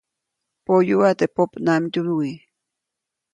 Poyuʼa teʼ popnamdyuwi.